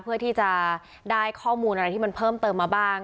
เพื่อที่จะได้ข้อมูลอะไรที่มันเพิ่มเติมมาบ้าง